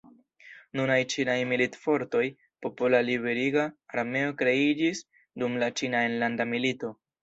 Nunaj Ĉinaj militfortoj, Popola Liberiga Armeo kreiĝis dum la Ĉina enlanda milito.